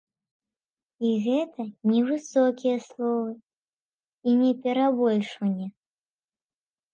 І гэта не высокія словы і не перабольшванне.